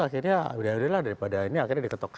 akhirnya yaudahlah daripada ini akhirnya diketok